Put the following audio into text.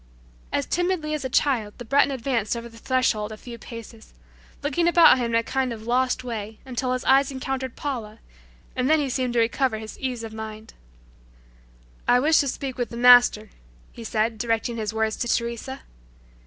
As timidly as a child the Breton advanced over the threshold a few paces, looking about him in a kind of "lost" way until his eyes encountered Paula, and then he seemed to recover his ease of mind. "I wish to speak with the Master," he said directing his words to Teresa.